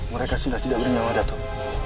mereka sudah tidak bernyawa datang